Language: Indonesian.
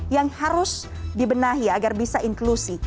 yang harus dibenahi agar bisa inklusi